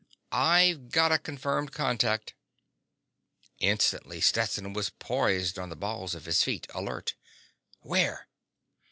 "I've got a confirmed contact." Instantly, Stetson was poised on the balls of his feet, alert. "Where?"